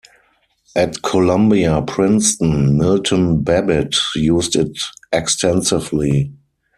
At Columbia-Princeton, Milton Babbitt used it extensively.